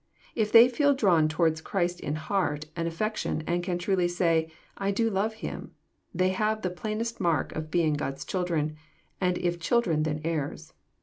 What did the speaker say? If they feel drawn towards Christ in heart and affection, and can truly say ''I do love Him, they have the plainest mark of being God's children, and " if children then heirs."